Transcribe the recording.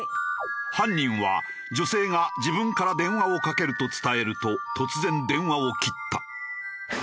犯人は女性が自分から電話をかけると伝えると突然電話を切った。